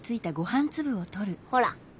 ほら。